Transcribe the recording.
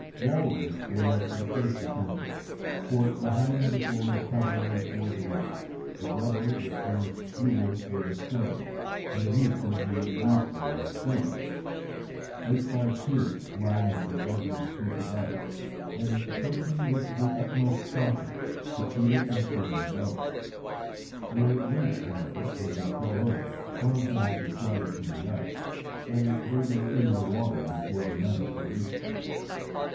Walrus was the first essential, for the hide would afford a covering for the roof, the blubber would furnish fuel for the stove, and the meat would be useful as food. They spied two lying at the edge of a piece of ice, and approaching with the utmost caution, succeeded in shooting both. Their weight, however, as they fell over, caused them to slide from the ice, and they were in the water before the men could reach them.